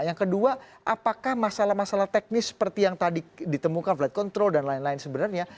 yang kedua apakah masalah masalah teknis seperti yang tadi ditemukan flight control dan lain lain sebenarnya